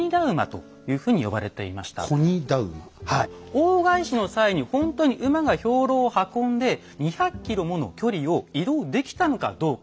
大返しの際にほんとに馬が兵糧を運んで２００ｋｍもの距離を移動できたのかどうか。